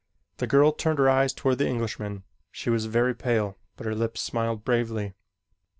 The girl turned her eyes toward the Englishman. She was very pale but her lips smiled bravely.